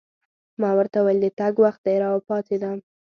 ما ورته وویل: د تګ وخت دی، او پاڅېدم.